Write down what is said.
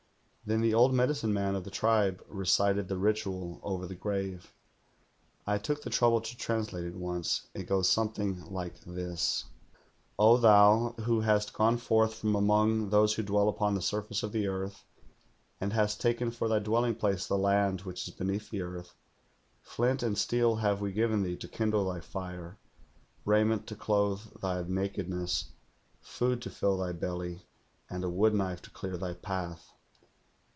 Then the old medicine man of the tribe recited the ritual over the grave. I took the trouble to translate it once. It goes something like this: '"O Thou, who hast gone forth from among those wlio dwell upon the surface of the earth, and hast taken for thy dwelling place the land which is beneath the earth, flint and steel have we given thee to kindle thy fire, raiment to clothe thy nakedness, food to fill thy belly, and a woodknife to clear thy path.